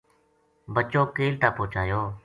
بَچو کیل تا پوہچایو